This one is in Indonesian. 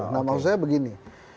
nah maksud saya begini